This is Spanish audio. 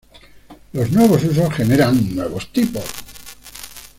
Los nuevos usos generan nuevos tipos.